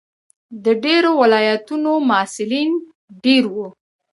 د ډېرو ولایتونو محصلین دېره وو.